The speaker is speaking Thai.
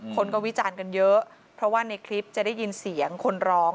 คนก็วิจารณ์กันเยอะเพราะว่าในคลิปจะได้ยินเสียงคนร้อง